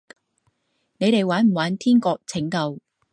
你哋玩唔玩天國拯救？